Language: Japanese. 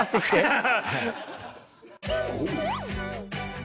ハハハ。